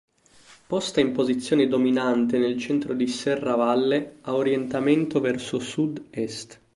Posta in posizione dominante nel centro di Serravalle ha orientamento verso sud est.